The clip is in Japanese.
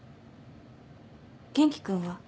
元気君は？